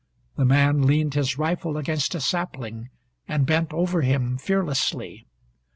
The man leaned his rifle against a sapling and bent over him fearlessly.